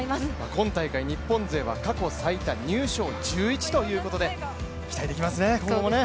今大会日本勢は過去最多、入賞１１ということで、今後も期待できますね。